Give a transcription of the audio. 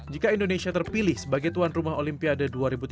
jika indonesia terpilih sebagai tuan rumah olimpiade dua ribu tiga puluh